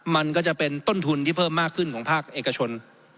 มันก็จะเป็นต้นทุนที่เพิ่มมากขึ้นของภาคเอกชน